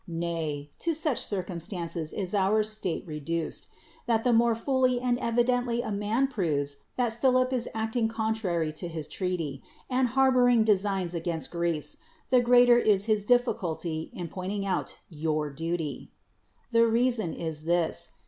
Nay, to such circumstances is our state reduced, that the more fully and evidently a man proves that Philip is acting contrary to his treaty, and harboring designs against (ireece, the greater is his difficulty in pointing out your duty. The reason is this.